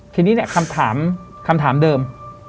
ที่นี่เนี่ยคำถามเดิม